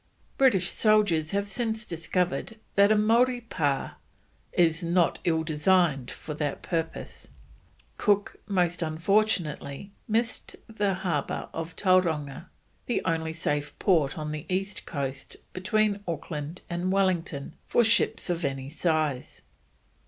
British soldiers have since discovered that a Maori Pah is "not ill designed for that purpose." Cook most unfortunately missed the Harbour of Tauranga, the only safe port on the east coast between Auckland and Wellington for ships of any size.